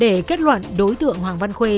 để kết luận đối tượng hoàng văn khuê